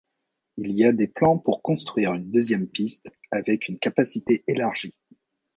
Il y a des plans pour construire une deuxième piste avec une capacité élargie.